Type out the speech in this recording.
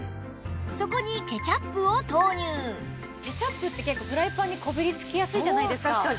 そこにケチャップって結構フライパンにこびりつきやすいじゃないですか。